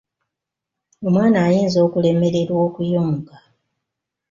Omwana ayinza okulemererwa okuyonka.